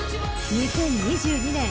［２０２２年。